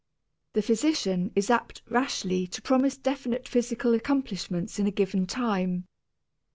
The physician is apt rashly to promise definite physical accomplishments in a given time.